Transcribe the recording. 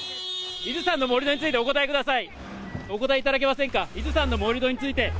伊豆山の盛り土についてお答えください。